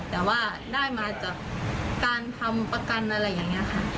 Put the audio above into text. แต่ว่าได้มาจากการทำประกันอะไรอย่างนี้ค่ะ